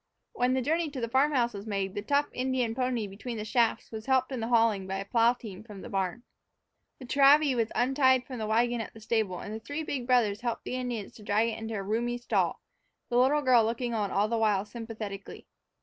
When the journey to the farm house was made, the tough Indian pony between the shafts was helped in the hauling by a plow team from the barn. The travee was untied from the wagon at the stable, and the three big brothers helped the Indians to drag it into a roomy stall, the little girl looking on all the while sympathetically.